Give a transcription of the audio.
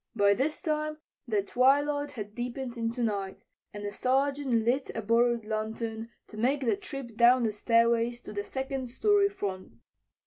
By this time the twilight had deepened into night, and the Sergeant lit a borrowed lantern to make the trip down the stairway to the second story front.